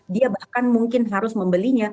dia bahkan mungkin harus membelinya